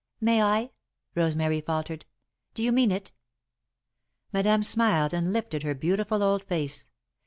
"May I?" Rosemary faltered. "Do you mean it?" Madame smiled and lifted her beautiful old face.